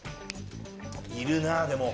いるなでも。